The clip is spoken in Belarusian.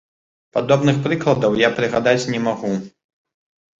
Падобных прыкладаў я прыгадаць не магу.